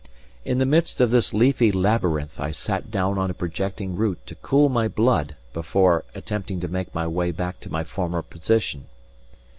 In the midst of this leafy labyrinth I sat down on a projecting root to cool my blood before attempting to make my way back to my former position.